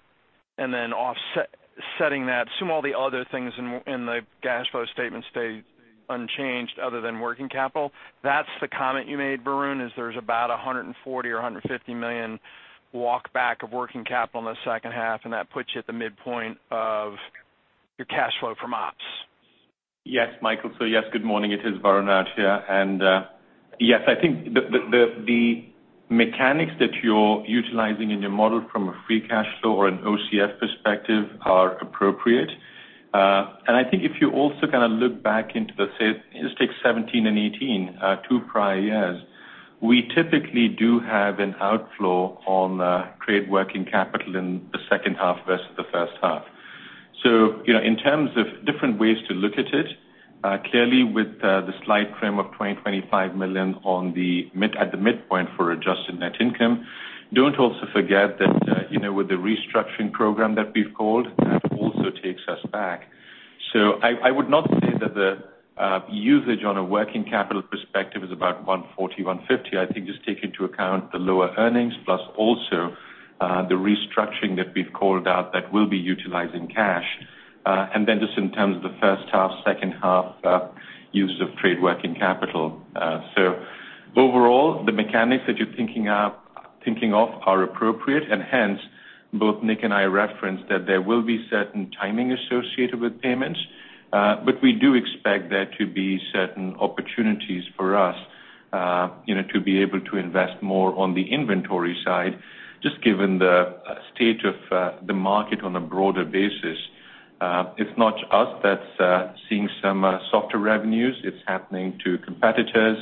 Then offsetting that, assume all the other things in the cash flow statement stay unchanged other than working capital. That's the comment you made, Varun, is there's about $140 or $150 million walk back of working capital in the second half. That puts you at the midpoint of your cash flow from ops. Yes, Michael. Yes, good morning. It is Varun out here. Yes, I think the mechanics that you're utilizing in your model from a free cash flow or an OCF perspective are appropriate. I think if you also look back into the SEC, just take 2017 and 2018, two prior years, we typically do have an outflow on trade working capital in the second half versus the first half. In terms of different ways to look at it, clearly with the slight frame of $20 million-$25 million at the midpoint for adjusted net income. Don't also forget that with the restructuring program that we've called, that also takes us back. I would not say that the usage on a working capital perspective is about $140 million-$150 million. I think just take into account the lower earnings, plus also the restructuring that we've called out that will be utilizing cash. Just in terms of the first half, second half use of trade working capital. The mechanics that you're thinking of are appropriate, and hence both Nick and I referenced that there will be certain timing associated with payments. We do expect there to be certain opportunities for us to be able to invest more on the inventory side, just given the state of the market on a broader basis. It's not just us that's seeing some softer revenues. It's happening to competitors,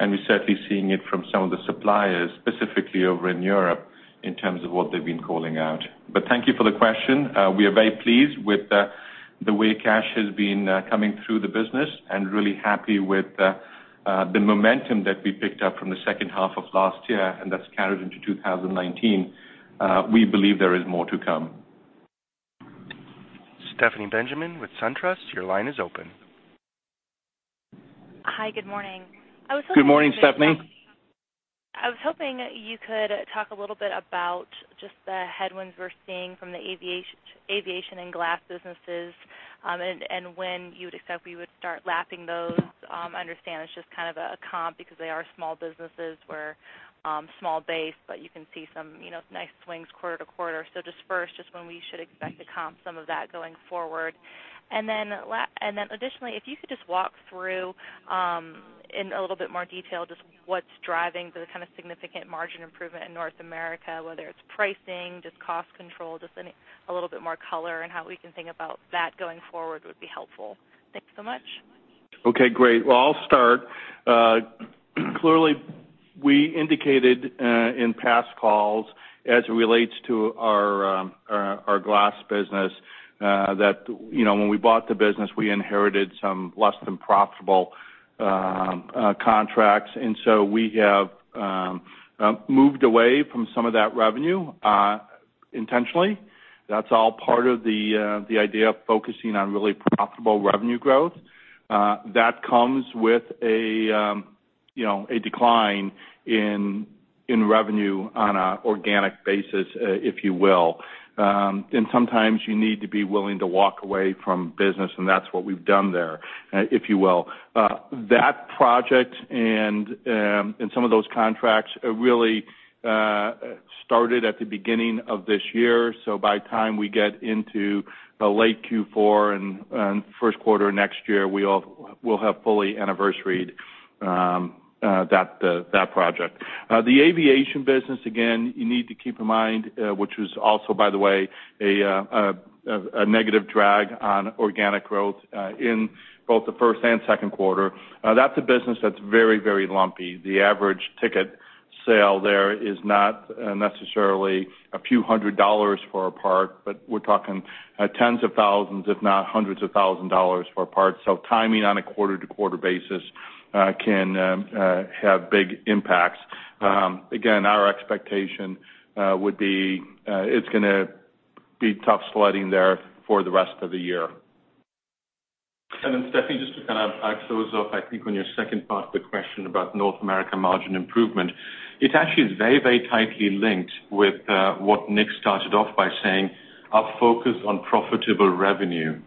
and we're certainly seeing it from some of the suppliers, specifically over in Europe, in terms of what they've been calling out. Thank you for the question. We are very pleased with the way cash has been coming through the business and really happy with the momentum that we picked up from the second half of last year, and that's carried into 2019. We believe there is more to come. Stephanie Benjamin with SunTrust, your line is open. Hi, good morning. Good morning, Stephanie. I was hoping you could talk a little bit about just the headwinds we're seeing from the aviation and glass businesses and when you would accept we would start lapping those. I understand it's just kind of a comp because they are small businesses where small base, but you can see some nice swings quarter to quarter. Just first, just when we should expect to comp some of that going forward. Additionally, if you could just walk through in a little bit more detail just what's driving the kind of significant margin improvement in North America, whether it's pricing, just cost control, just a little bit more color in how we can think about that going forward would be helpful. Thank you so much. Okay, great. Well, I'll start. Clearly, we indicated in past calls as it relates to our glass business that when we bought the business, we inherited some less than profitable contracts, and so we have moved away from some of that revenue intentionally. That's all part of the idea of focusing on really profitable revenue growth. That comes with a decline in revenue on an organic basis, if you will. Sometimes you need to be willing to walk away from business, and that's what we've done there, if you will. That project and some of those contracts really started at the beginning of this year. By the time we get into late Q4 and first quarter next year, we'll have fully anniversaried that project. The aviation business, again, you need to keep in mind, which was also, by the way, a negative drag on organic growth in both the first and second quarter. That's a business that's very, very lumpy. The average ticket sale there is not necessarily a few hundred dollars for a part, but we're talking tens of thousands, if not hundreds of thousand dollars for a part. Timing on a quarter-to-quarter basis can have big impacts. Our expectation would be it's going to be tough sliding there for the rest of the year. Then Stephanie, just to kind of close off, I think on your second part of the question about North America margin improvement. It actually is very tightly linked with what Nick started off by saying, our focus on profitable revenue.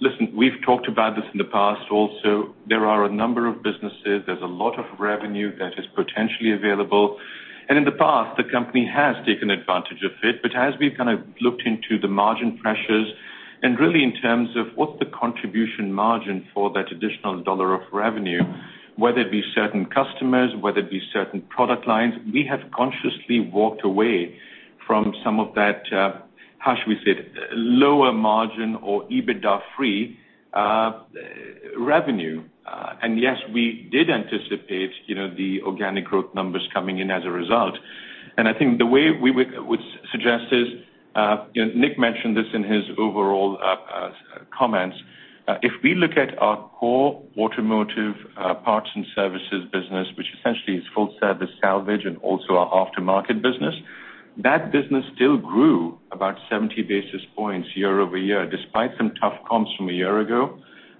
Listen, we've talked about this in the past also. There are a number of businesses, there's a lot of revenue that is potentially available. As we've kind of looked into the margin pressures and really in terms of what the contribution margin for that additional dollar of revenue, whether it be certain customers, whether it be certain product lines, we have consciously walked away from some of that, how should we say it, lower margin or EBITDA-free revenue. Yes, we did anticipate the organic growth numbers coming in as a result. I think the way we would suggest is, Nick mentioned this in his overall comments. If we look at our core automotive parts and services business, which essentially is full service salvage and also our aftermarket business, that business still grew about 70 basis points year-over-year, despite some tough comps from a year ago.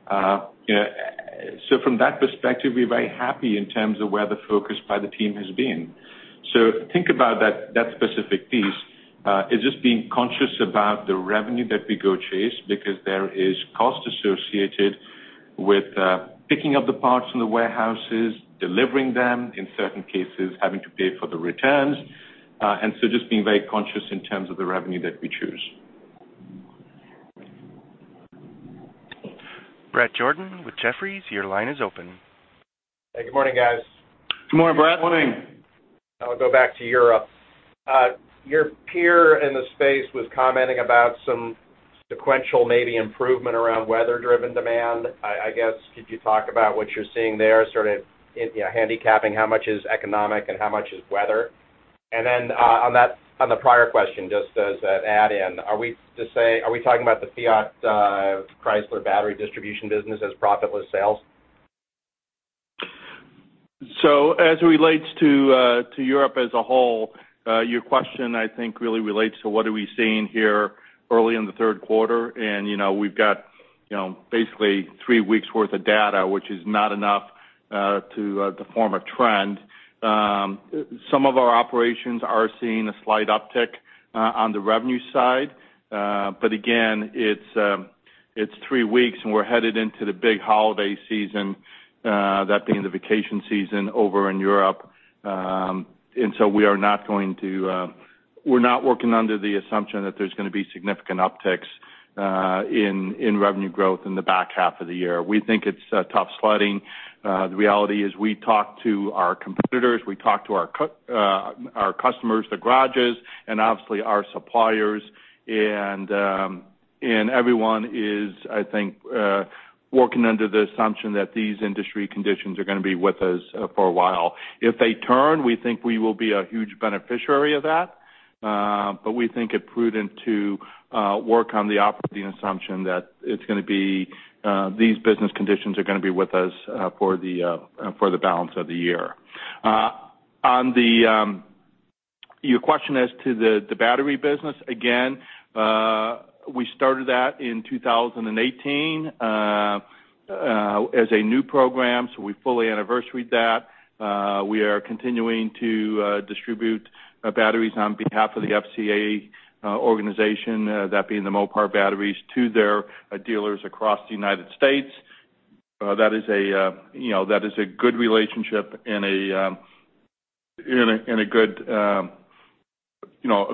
From that perspective, we're very happy in terms of where the focus by the team has been. So think about that specific piece is just being conscious about the revenue that we go chase because there is cost associated with picking up the parts from the warehouses, delivering them, in certain cases having to pay for the returns. Just being very conscious in terms of the revenue that we choose. Bret Jordan with Jefferies, your line is open. Hey, good morning, guys. Good morning, Bret. Good morning. I'll go back to Europe. Your peer in the space was commenting about some sequential maybe improvement around weather driven demand. Could you talk about what you're seeing there, sort of handicapping how much is economic and how much is weather? On the prior question, just as an add in, are we talking about the Fiat Chrysler battery distribution business as profitless sales? As it relates to Europe as a whole, your question, I think, really relates to what are we seeing here early in the third quarter. We've got basically three weeks worth of data, which is not enough to form a trend. Some of our operations are seeing a slight uptick on the revenue side. Again, it's three weeks and we're headed into the big holiday season, that being the vacation season over in Europe. We're not working under the assumption that there's going to be significant upticks in revenue growth in the back half of the year. We think it's tough sliding. The reality is we talk to our competitors, we talk to our customers, the garages, and obviously our suppliers. Everyone is, I think, working under the assumption that these industry conditions are going to be with us for a while. If they turn, we think we will be a huge beneficiary of that. We think it prudent to work on the operating assumption that these business conditions are going to be with us for the balance of the year. On your question as to the battery business, again, we started that in 2018 as a new program, so we fully anniversaried that. We are continuing to distribute batteries on behalf of the FCA organization, that being the Mopar batteries to their dealers across the United States. That is a good relationship and a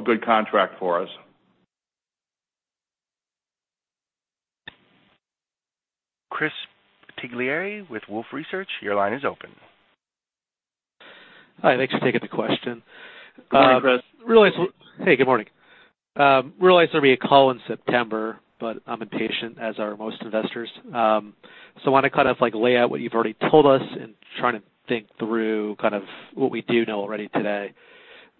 good contract for us. Chris Bottiglieri with Wolfe Research. Your line is open. Hi, thanks for taking the question. Morning, Chris. Hey, good morning. Realize there'll be a call in September. I'm impatient, as are most investors. Want to kind of lay out what you've already told us and trying to think through kind of what we do know already today.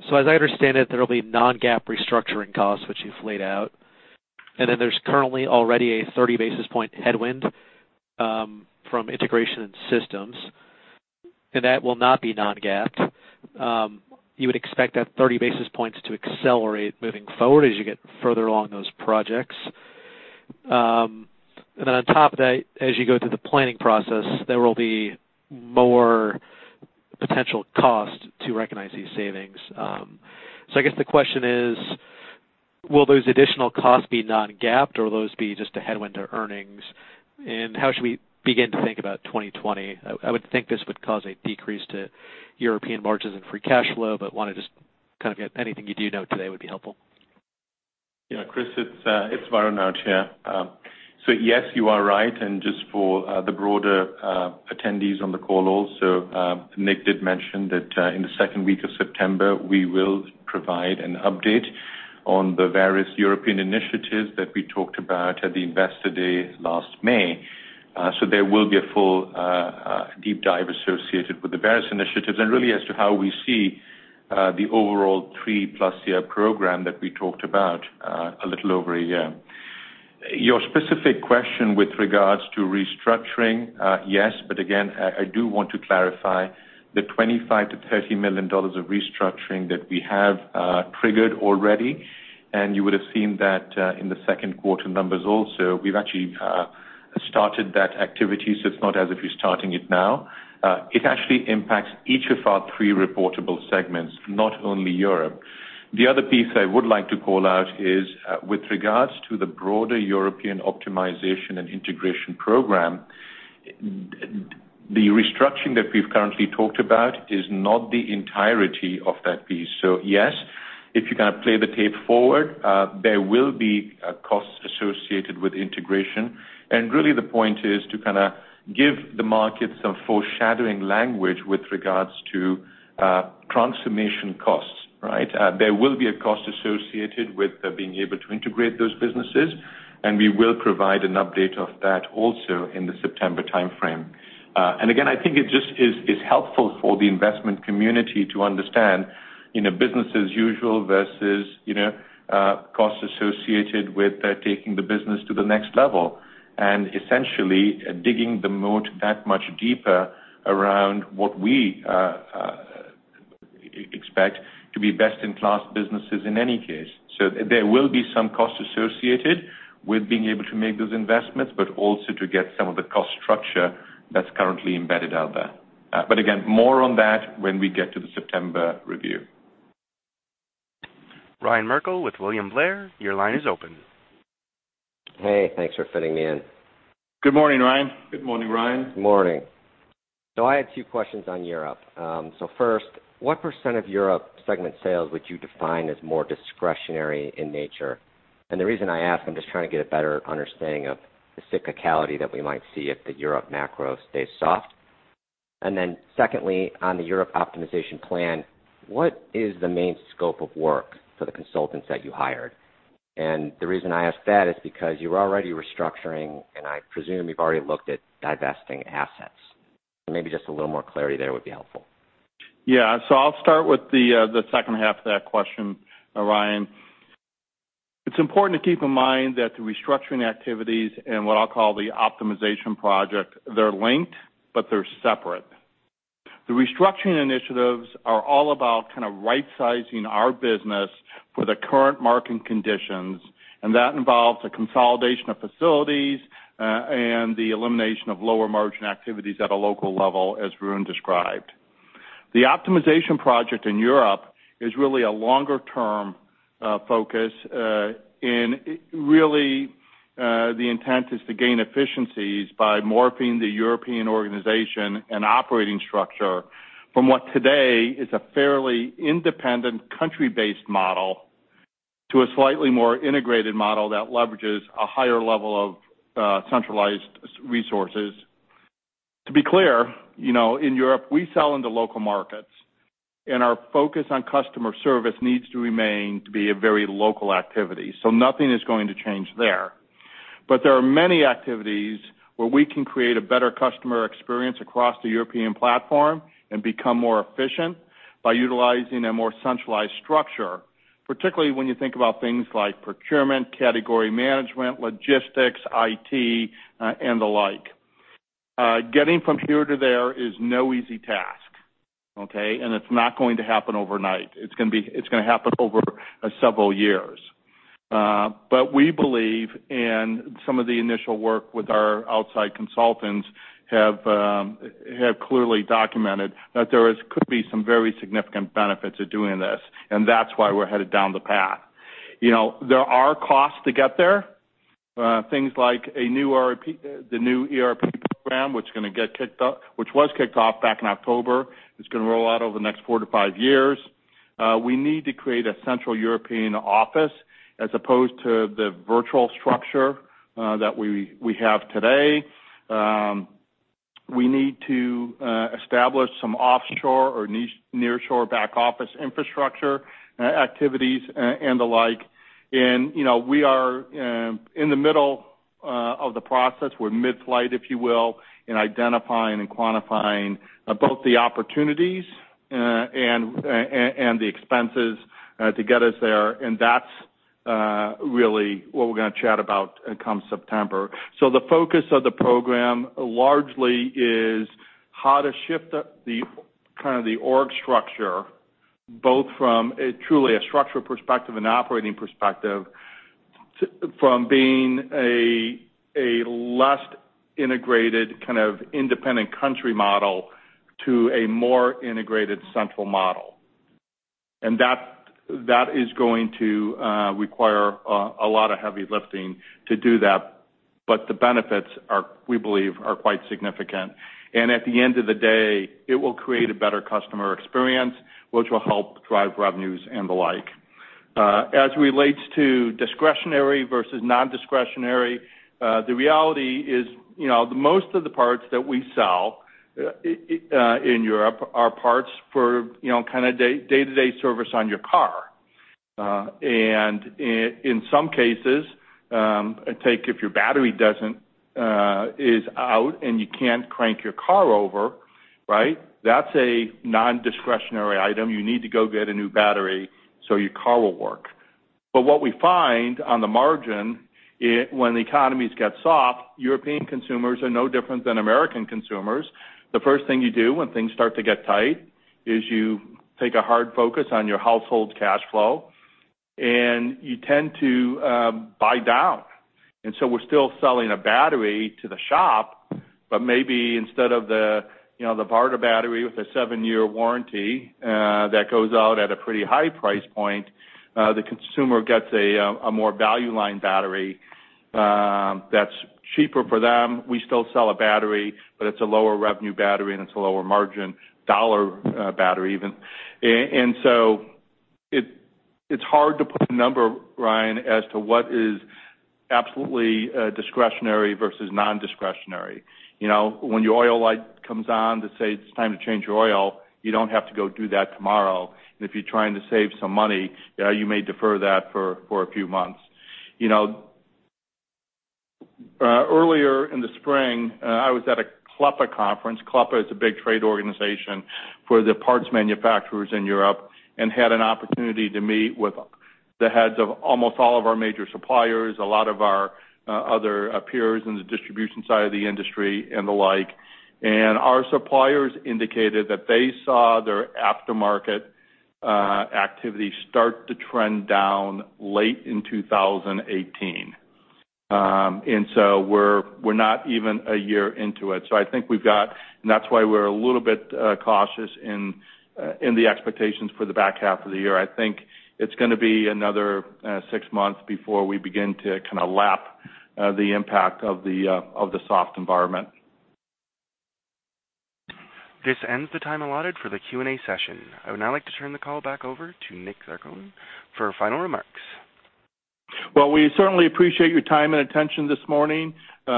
As I understand it, there will be non-GAAP restructuring costs, which you've laid out, and then there's currently already a 30 basis point headwind from integration and systems, and that will not be non-GAAP. You would expect that 30 basis point to accelerate moving forward as you get further along those projects. On top of that, as you go through the planning process, there will be more potential cost to recognize these savings. I guess the question is, will those additional costs be non-GAAPed or will those be just a headwind to earnings? How should we begin to think about 2020? I would think this would cause a decrease to European margins and free cash flow. I want to just kind of get anything you do know today would be helpful. Yeah, Chris, it's Varun out here. Yes, you are right. Just for the broader attendees on the call also, Nick did mention that in the second week of September, we will provide an update on the various European initiatives that we talked about at the investor day last May. There will be a full deep dive associated with the various initiatives and really as to how we see the overall three-plus year program that we talked about a little over a year. Your specific question with regards to restructuring, yes, again, I do want to clarify the $25 million-$30 million of restructuring that we have triggered already, and you would have seen that in the second quarter numbers also. We've actually started that activity, it's not as if we're starting it now. It actually impacts each of our three reportable segments, not only Europe. The other piece I would like to call out is, with regards to the broader European optimization and integration program, the restructuring that we've currently talked about is not the entirety of that piece. Yes, if you kind of play the tape forward, there will be costs associated with integration. Really the point is to kind of give the market some foreshadowing language with regards to transformation costs. There will be a cost associated with being able to integrate those businesses, and we will provide an update of that also in the September timeframe. Again, I think it just is helpful for the investment community to understand business as usual versus costs associated with taking the business to the next level. Essentially digging the moat that much deeper around what we expect to be best-in-class businesses in any case. There will be some costs associated with being able to make those investments, but also to get some of the cost structure that's currently embedded out there. Again, more on that when we get to the September review. Ryan Merkel with William Blair, your line is open. Hey, thanks for fitting me in. Good morning, Ryan. Good morning, Ryan. Morning. I had two questions on Europe. First, what % of Europe segment sales would you define as more discretionary in nature? The reason I ask, I'm just trying to get a better understanding of the cyclicality that we might see if the Europe macro stays soft. Secondly, on the Europe optimization plan, what is the main scope of work for the consultants that you hired? The reason I ask that is because you're already restructuring, and I presume you've already looked at divesting assets. Maybe just a little more clarity there would be helpful. I'll start with the second half of that question, Ryan. It's important to keep in mind that the restructuring activities and what I'll call the optimization project, they're linked, but they're separate. The restructuring initiatives are all about kind of right-sizing our business for the current market conditions, and that involves the consolidation of facilities, and the elimination of lower-margin activities at a local level, as Varun described. The optimization project in Europe is really a longer-term focus. Really, the intent is to gain efficiencies by morphing the European organization and operating structure from what today is a fairly independent country-based model to a slightly more integrated model that leverages a higher level of centralized resources. To be clear, in Europe, we sell into local markets, and our focus on customer service needs to remain to be a very local activity. Nothing is going to change there. There are many activities where we can create a better customer experience across the European platform and become more efficient by utilizing a more centralized structure, particularly when you think about things like procurement, category management, logistics, IT, and the like. Getting from here to there is no easy task. It's not going to happen overnight. It's going to happen over several years. We believe, and some of the initial work with our outside consultants have clearly documented that there could be some very significant benefits of doing this, and that's why we're headed down the path. There are costs to get there. Things like the new ERP program, which was kicked off back in October. It's going to roll out over the next four to five years. We need to create a central European office as opposed to the virtual structure that we have today. We need to establish some offshore or nearshore back office infrastructure activities and the like. We are in the middle of the process. We're mid-flight, if you will, in identifying and quantifying both the opportunities and the expenses to get us there, and that's really what we're going to chat about come September. The focus of the program largely is how to shift kind of the org structure, both from truly a structural perspective and operating perspective, from being a less integrated kind of independent country model to a more integrated central model. That is going to require a lot of heavy lifting to do that, but the benefits, we believe, are quite significant. At the end of the day, it will create a better customer experience, which will help drive revenues and the like. As it relates to discretionary versus non-discretionary, the reality is, most of the parts that we sell in Europe are parts for kind of day-to-day service on your car. In some cases, take if your battery is out and you can't crank your car over, right? That's a non-discretionary item. You need to go get a new battery so your car will work. What we find on the margin, when the economies get soft, European consumers are no different than American consumers. The first thing you do when things start to get tight is you take a hard focus on your household cash flow, and you tend to buy down. We're still selling a battery to the shop, but maybe instead of the barter battery with a 7-year warranty that goes out at a pretty high price point, the consumer gets a more value line battery that's cheaper for them. We still sell a battery, but it's a lower revenue battery, and it's a lower margin dollar battery even. It's hard to put a number, Ryan, as to what is absolutely discretionary versus non-discretionary. When your oil light comes on to say it's time to change your oil, you don't have to go do that tomorrow. If you're trying to save some money, you may defer that for a few months. Earlier in the spring, I was at a CLEPA conference. CLEPA is a big trade organization for the parts manufacturers in Europe and had an opportunity to meet with the heads of almost all of our major suppliers, a lot of our other peers in the distribution side of the industry and the like. Our suppliers indicated that they saw their aftermarket activity start to trend down late in 2018. We're not even a year into it. I think that's why we're a little bit cautious in the expectations for the back half of the year. I think it's going to be another six months before we begin to kind of lap the impact of the soft environment. This ends the time allotted for the Q&A session. I would now like to turn the call back over to Nick Zarcone for final remarks. Well, we certainly appreciate your time and attention this morning. As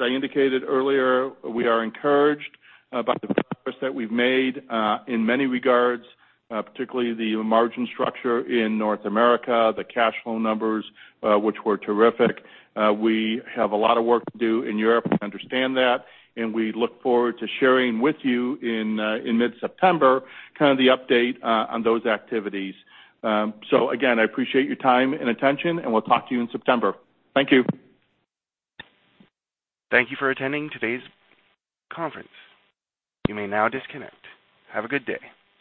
I indicated earlier, we are encouraged by the progress that we've made, in many regards, particularly the margin structure in North America, the cash flow numbers, which were terrific. We have a lot of work to do in Europe. We understand that, and we look forward to sharing with you in mid-September, kind of the update on those activities. Again, I appreciate your time and attention, and we'll talk to you in September. Thank you. Thank you for attending today's conference. You may now disconnect. Have a good day.